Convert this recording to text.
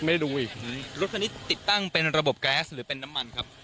ไม่รู้อีกรถคันนี้ติดตั้งเป็นระบบแก๊สหรือเป็นน้ำมันครับ